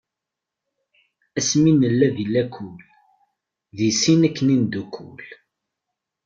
Asmi nella di lakul, deg sin akken i neddukul.